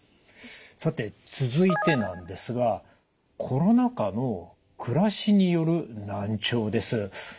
さて続いてなんですがコロナ禍の暮らしによる難聴です。